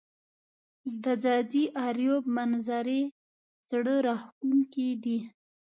د ځاځي اریوب منظزرې زړه راښکونکې دي